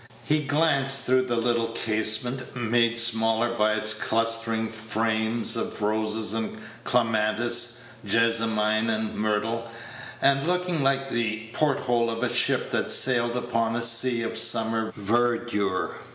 He glanced through the little casement, made smaller by its clustering frame of roses and clematis, jessamine and myrtle, and looking like the port hole of a ship that sailed upon a sea of summer verdure.